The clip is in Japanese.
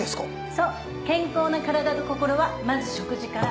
そう健康な体と心はまず食事から。